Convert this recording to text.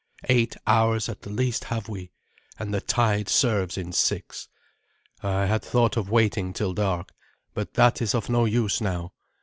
Eight hours, at the least, have we, and the tide serves in six. I had thought of waiting till dark, but that is of no use now.